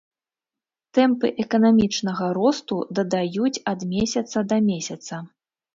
Тэмпы эканамічнага росту дадаюць ад месяца да месяца.